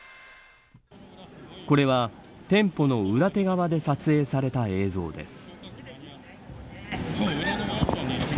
これは店舗の裏手側で撮影された映像です。